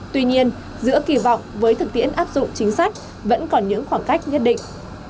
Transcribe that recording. tuy nhiên giữa kỳ vọng với thực tiễn áp dụng chính sách vẫn còn những khoảng cách nhất định